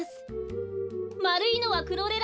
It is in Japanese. まるいのはクロレラですね。